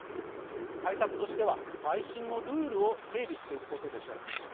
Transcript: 対策としては再審のルールを整備していくことでしょう。